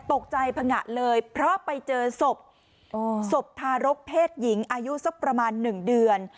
ตกใจผงะเลยเพราะไปเจอศพศพทารกเพศหญิงอายุสักประมาณหนึ่งเดือน